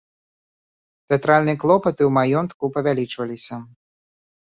Тэатральныя клопаты ў маёнтку павялічваліся.